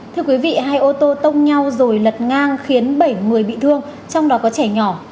thưa quý vị hai ô tô tông nhau rồi lật ngang khiến bảy người bị thương trong đó có trẻ nhỏ